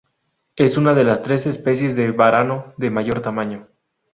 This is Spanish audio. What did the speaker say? Es una de las tres especies de varano de mayor tamaño.